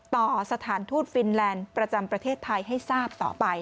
ต่อสถานทูตฟินแลนด์ประจำประเทศไทยให้ทราบต่อไป